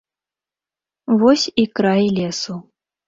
Вось і край лесу.